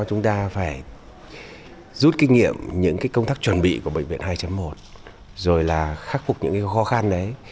chúng ta phải rút kinh nghiệm những công tác chuẩn bị của bệnh viện hai một rồi là khắc phục những khó khăn đấy